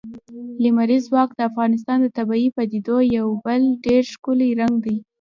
لمریز ځواک د افغانستان د طبیعي پدیدو یو بل ډېر ښکلی رنګ دی.